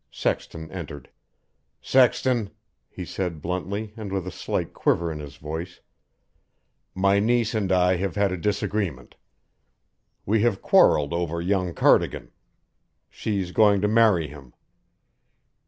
Sexton entered. "Sexton," he said bluntly and with a slight quiver in his voice, "my niece and I have had a disagreement. We have quarrelled over young Cardigan. She's going to marry him.